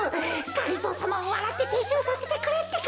がりぞーさまをわらっててっしゅうさせてくれってか！